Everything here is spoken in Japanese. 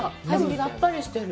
さっぱりしてる。